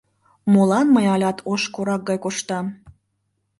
Молан мый алят ош корак гай коштам?